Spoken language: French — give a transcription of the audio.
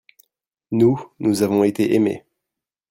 nous, nous avons été aimé.